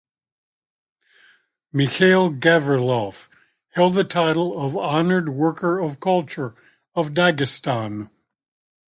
Mikhail Gavrilov held the title of Honored Worker of Culture of Dagestan.